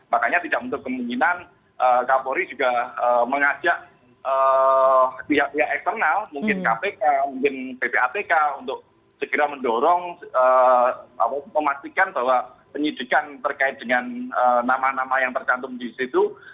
makanya tidak untuk kemungkinan kapolri juga mengajak pihak pihak eksternal mungkin kpk mungkin ppatk untuk segera mendorong memastikan bahwa penyidikan terkait dengan nama nama yang tercantum di situ